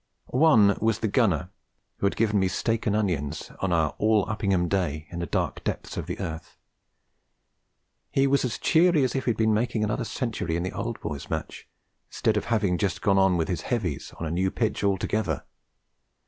One was the Gunner who had given me steak and onions on our All Uppingham day in the dark depths of the earth. He was as cheery as if he had been making another century in the Old Boys' Match, instead of having just gone on with his heavies on a new pitch altogether.